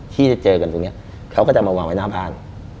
ที่จะเจอกันตรงนี้เขาก็จะมาวางไว้หน้าบ้าน